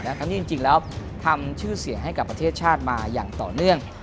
ทั้งที่จริงแล้วทำชื่อเสียงให้กับประเทศชาติมาอย่างต่อเนื่อง